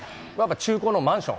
中古のマンション。